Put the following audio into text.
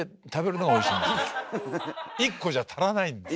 １個じゃ足らないんですよ。